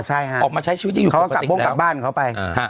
ใช่ค่ะเขาก็กลับบ้านเขาไป